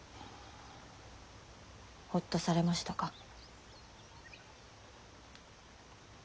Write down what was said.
ほっとされましたか。